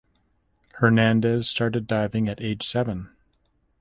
Hernandez started diving at age seven.